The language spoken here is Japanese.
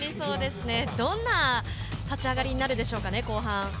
どんな立ち上がりになるでしょうかね、後半。